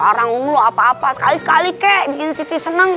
warang ulu apa apa sekali sekali kek bikin siti seneng